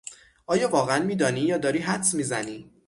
آیا واقعا میدانی یا داری حدس میزنی؟